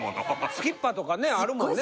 すきっ歯とかねあるもんね。